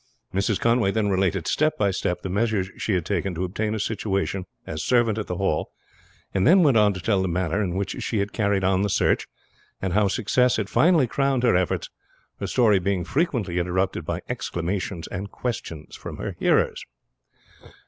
Mrs. Conway then related step by step the measures she had taken to obtain a situation as servant at the Hall, and then went on to tell the manner in which she had carried on the search, and how success had finally crowned her efforts, her story being frequently interrupted by exclamations and questions from her hearers.